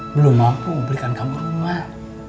belum mampu belikan kamu rumah